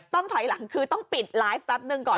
ต้องถอยหลังคือต้องปิดไลฟ์แป๊บหนึ่งก่อน